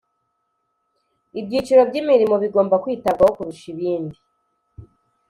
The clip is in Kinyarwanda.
ibyiciro by imirimo bigomba kwitabwaho kurusha ibindi